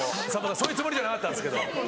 そういうつもりじゃなかったんですけど。